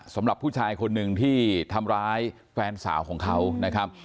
สำหรับผู้ชายคนหนึ่งที่ทำร้ายแฟนสาวของเขานะครับ